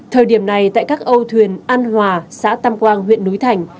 thời điểm này tại các âu thuyền an hòa xã tam quang huyện núi thành